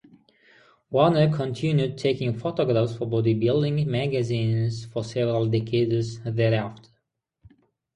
Warner continued taking photographs for bodybuilding magazines for several decades thereafter.